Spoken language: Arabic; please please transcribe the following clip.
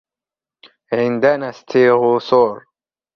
عندنا ستيغوصور.